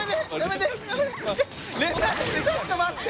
ちょっと待って。